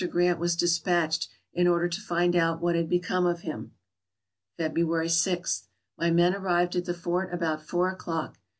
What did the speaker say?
Grant was dis patched, in order to find out what had become of him. February 6. — My men arrived at the fort about four o'clock. Mr.